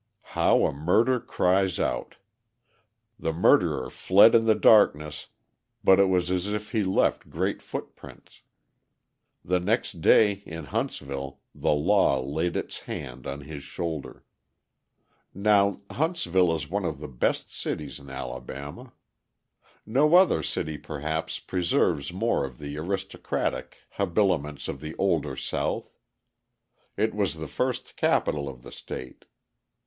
How a murder cries out! The murderer fled in the darkness but it was as if he left great footprints. The next day, in Huntsville, the law laid its hand on his shoulder. Now, Huntsville is one of the best cities in Alabama. No other city, perhaps, preserves more of the aristocratic habiliments of the older South. It was the first capital of the state.